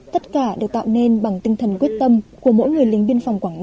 tất cả đều tạo nên bằng tinh thần quyết tâm của mỗi người lính biên phòng quảng nam